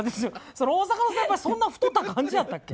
それ大阪の先輩そんな太った感じやったっけ？